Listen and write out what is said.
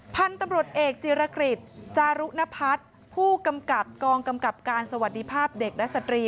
พันธุ์ตำรวจเอกจิรกฤษจารุณพัฒน์ผู้กำกับกองกำกับการสวัสดีภาพเด็กและสตรี